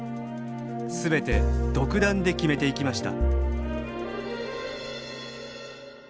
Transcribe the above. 全て独断で決めていきました。